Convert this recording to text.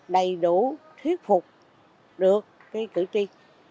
đầy đủ thuyết phục được cái cử tri